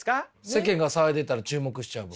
世間が騒いでたら注目しちゃう僕。